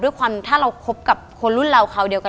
ด้วยความถ้าเราคบกับคนรุ่นเราคราวเดียวกัน